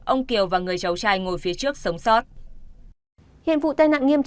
ông kiều và người cháu trai ngồi phía trước sống sót